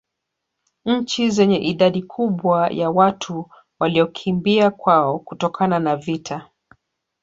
Nchi zenye idadi kubwa ya watu waliokimbia kwao kutokana na vita